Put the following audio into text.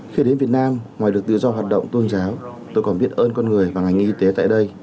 khi đến việt nam ngoài được tự do hoạt động tôn giáo tôi còn biết ơn con người và ngành y tế tại đây